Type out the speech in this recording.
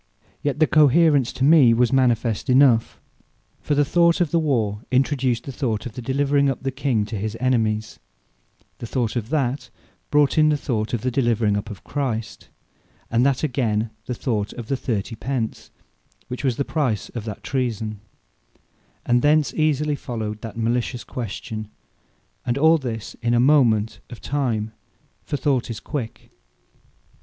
Yet the Cohaerence to me was manifest enough. For the Thought of the warre, introduced the Thought of the delivering up the King to his Enemies; The Thought of that, brought in the Thought of the delivering up of Christ; and that again the Thought of the 30 pence, which was the price of that treason: and thence easily followed that malicious question; and all this in a moment of time; for Thought is quick.